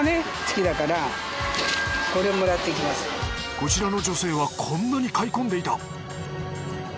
こちらの女性はこんなに買い込んでいた。